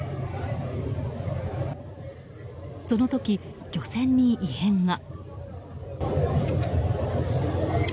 その時、漁船に異変が。